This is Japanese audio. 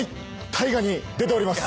大河に出ております。